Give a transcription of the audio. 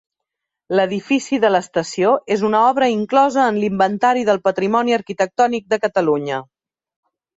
L'edifici de l'estació és una obra inclosa en l'Inventari del Patrimoni Arquitectònic de Catalunya.